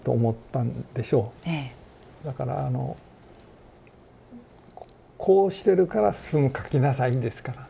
だからあの「こうしてるから晋描きなさい」ですから。